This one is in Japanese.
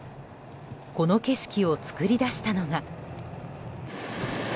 この景色を作り出したのが。